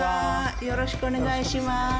よろしくお願いします。